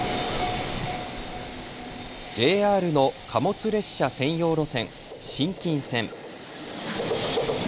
ＪＲの貨物列車専用路線、新金線。